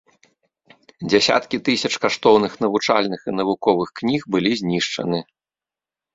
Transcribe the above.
Дзясяткі тысяч каштоўных навучальных і навуковых кніг былі знішчаны.